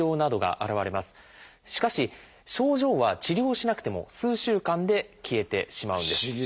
しかし症状は治療しなくても数週間で消えてしまうんです。